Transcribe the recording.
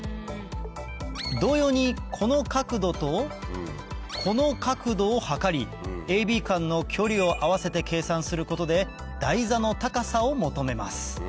同様にこの角度とこの角度を測りＡＢ間の距離を合わせて計算することで台座の高さを求めます